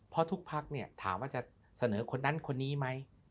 เพราะทุกพักเนี่ยถามว่าจะเสนอคนนั้นคนนี้ไหม